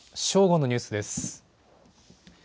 正午のニュースです。